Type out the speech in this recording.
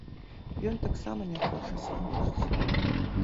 Ён таксама не хоча сыходзіць.